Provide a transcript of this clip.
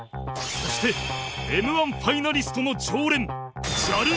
そして Ｍ−１ ファイナリストの常連